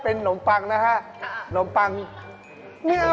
เพราะวันนี้เป็นนมปังนะคะ